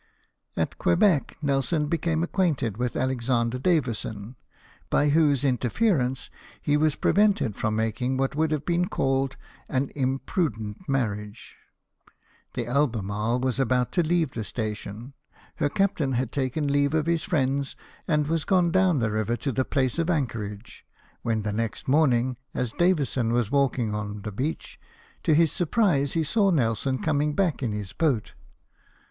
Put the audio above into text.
At (^)uebec Nelson became acquainted Avith Alexander Davison, by whose interference he was prevented fi*om making what would have been called an imprudent marriage. The Albemarle was AELSOJV'S FIBiiT LoVE. 27 about to leave the station, her captain had taken leave of his friends, and was gone down the river to the place of anchorage, Avhen the next morning, as Davison was walking on the beach, to his surprise he saw Nelson coming back in his boat.